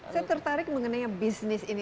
saya tertarik mengenai bisnis ini